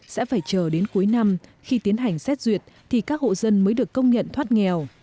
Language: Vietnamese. sẽ phải chờ đến cuối năm khi tiến hành xét duyệt thì các hộ dân mới được công nhận thoát nghèo